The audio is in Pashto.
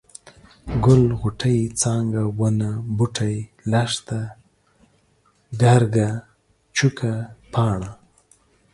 ګل، غوټۍ، څانګه ، ونه ، بوټی، لښته ، ګرګه ، چوکه ، پاڼه،